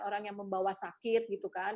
orang yang membawa sakit gitu kan